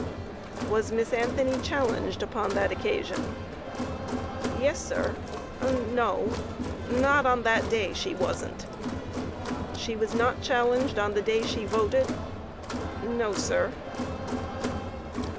Q. Was Miss Anthony challenged upon that occasion? A. Yes, sir no; not on that day she wasn't. Q. She was not challenged on the day she voted? A. No, sir.